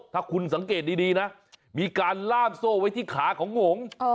ถ้าคุณสังเกตดีนะมีการล่ามโซ่ไว้ที่ขาของหง